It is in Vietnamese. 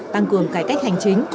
tăng cường cải cách hành chính